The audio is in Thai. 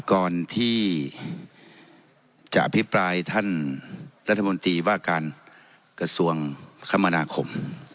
ก่อนที่จะอภิปรายท่านรัฐมนตรีว่าการกระทรวงคมนาคม